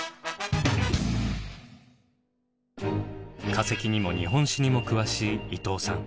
化石にも日本史にも詳しい伊藤さん。